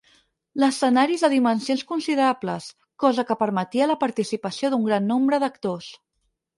L'escenari és de dimensions considerables, cosa que permetia la participació d'un gran nombre d'actors.